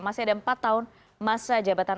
masih ada empat tahun masa jabatan